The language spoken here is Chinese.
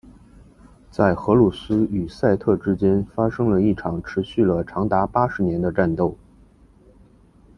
在荷鲁斯与赛特之间发生了一场持续了长达八十年的战斗。